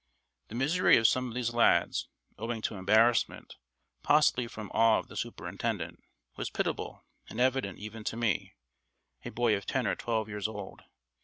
The misery of some of these lads, owing to embarrassment, possibly from awe of the Superintendent, was pitiable and evident even to me, a boy of ten or twelve years old.